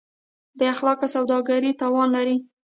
بېاخلاقه سوداګري تاوان لري.